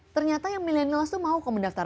ternyata yang milenials itu mau ke mendaftar